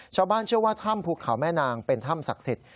ชาวบ้านเชื่อว่าถ้ำภูเขาแม่นางเป็นถ้ำศักดิ์สิทธิ